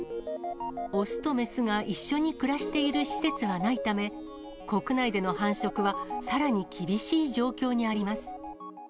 雄と雌が一緒に暮らしている施設はないため、国内での繁殖はさらに厳しい状況にあります。